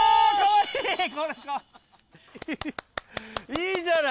いいじゃない。